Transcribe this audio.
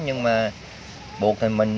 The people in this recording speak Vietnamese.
nhưng mà buộc thì mình